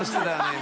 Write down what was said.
今。